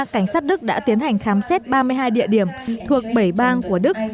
cảnh sát đức đã tiến hành khám xét ba mươi hai địa điểm thuộc bảy bang của đức